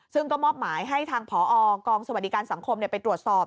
ซึ่งก็มอบหมายให้ทางผอกองสวัสดิการสังคมไปตรวจสอบ